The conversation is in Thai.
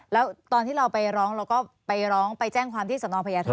แล้วตอนที่เราไปร้องเราก็ไปร้องไปแจ้งความที่สนพญาทอง